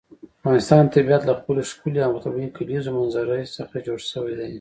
د افغانستان طبیعت له خپلې ښکلې او طبیعي کلیزو منظره څخه جوړ شوی دی.